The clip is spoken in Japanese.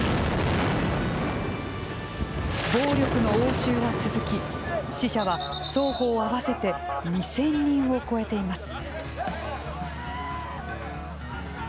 暴力の応酬は続き死者は双方合わせて２０００人を超えています。